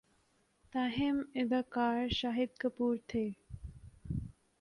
تاہم اداکار شاہد کپور کے